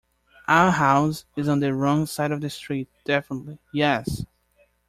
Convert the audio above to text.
Our house is on the wrong side of the street — definitely — yes.